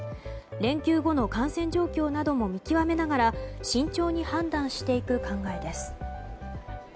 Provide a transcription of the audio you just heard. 連休後の感染状況なども見極めながら慎重に判断していく考えです。